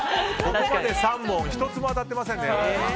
ここまで３問１つも当たっていませんね。